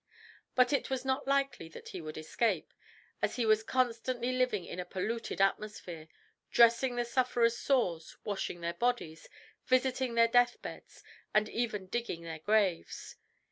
But it was not likely that he would escape, as he was constantly living in a polluted atmosphere, dressing the sufferers' sores, washing their bodies, visiting their death beds, and even digging their graves.